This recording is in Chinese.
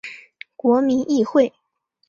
国民议会。